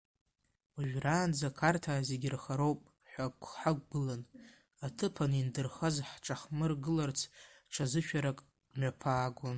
Уажәраанӡа қарҭаа зегь рхароуп ҳәа ҳақәгылан, аҭыԥан индырхаз ҳҿаҳмыргыларц ҽазышәарак мҩаԥаагон.